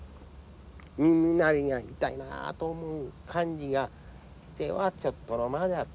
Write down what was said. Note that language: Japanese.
耳鳴りが痛いなと思う感じがしてはちょっとの間ぁじゃったけどね。